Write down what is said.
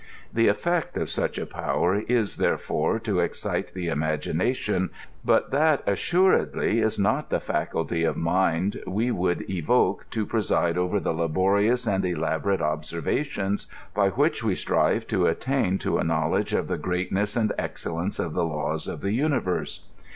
The e^ct of such a power is, there fore, to excite the imagination, but that, assuredly, is not the faculty of mind we would evoke to preside over the laborious f and elaborate observations by which we strive to attain to a knowledge of the greatness and excellrace of the laws of the universe.